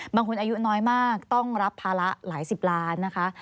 บางคนอายุน้อยมากต้องรับภาระหลายสิบล้านนะคะ